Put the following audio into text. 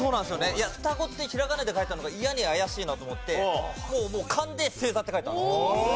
いやふたごってひらがなで書いてあるのがいやに怪しいなと思ってもう勘で星座って書いたんですよ。